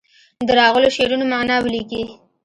د راغلو شعرونو معنا ولیکي.